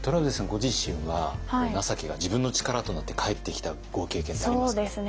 ご自身は情けが自分の力となって返ってきたご経験ってありますか？